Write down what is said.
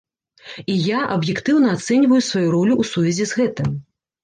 І я аб'ектыўна ацэньваю сваю ролю ў сувязі з гэтым.